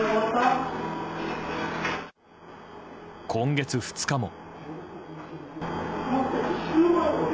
今月２日も。